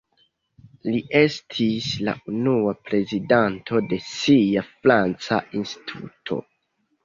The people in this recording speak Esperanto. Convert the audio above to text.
Li estis la unua prezidanto de sia franca instituto.